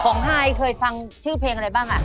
ของไฮเคยฟังชื่อเพลงอะไรบ้าง